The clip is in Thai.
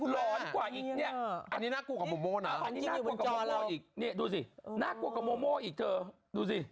ร้อนกว่าอีกนี่อันนี้น่ากลัวกับโมโมนะน่ากลัวกับโมโมอีกนี่ดูสิน่ากลัวกับโมโมอีกเถอะดูสิ